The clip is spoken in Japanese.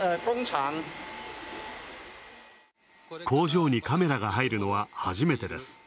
工場にカメラが入るのは、初めてです。